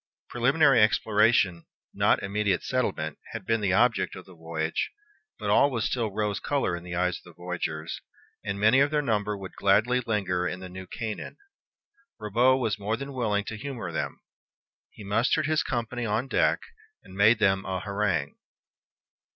Preliminary exploration, not immediate settlement, had been the object of the voyage; but all was still rose color in the eyes of the voyagers, and many of their number would gladly linger in the New Canaan. Ribaut was more than willing to humor them. He mustered his company on deck, and made them a harangue.